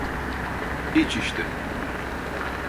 Hiç işte.